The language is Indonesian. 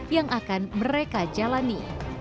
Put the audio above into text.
yang akan mereka jalani